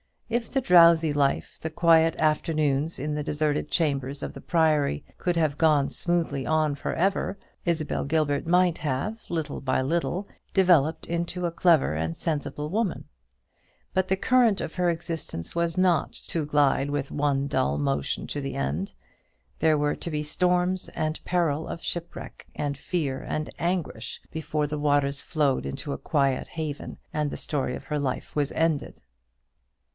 If the drowsy life, the quiet afternoons in the deserted chambers of the Priory, could have gone smoothly on for ever, Isabel Gilbert might have, little by little, developed into a clever and sensible woman; but the current of her existence was not to glide with one dull motion to the end. There were to be storms and peril of shipwreck, and fear and anguish, before the waters flowed into a quiet haven, and the story of her life was ended.